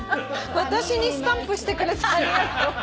私にスタンプしてくれてありがとう。